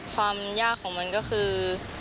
ความยากของมันก็คือ